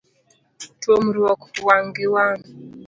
Tuomruok wang' gi wang'.